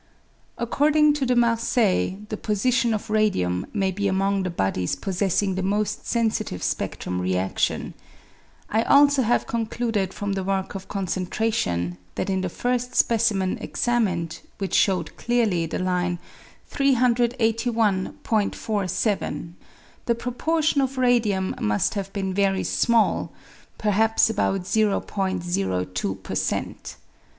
According to Demargay, the position of radium may be among the bodies possessing the most sensitive spedrum readion. I also have concluded from the work of concentration, that in the first specimen examined, which showed clearly the line 3814 7, the proportion of radium must have been very small (perhaps about 0 02 per cent).